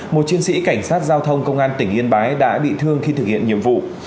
một chiến sĩ cảnh sát giao thông công an tỉnh yên bái đã bị thương khi thực hiện nhiệm vụ